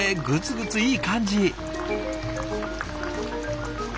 グツグツいい感じ！